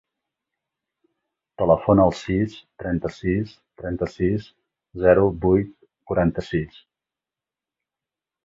Telefona al sis, trenta-sis, trenta-sis, zero, vuit, quaranta-sis.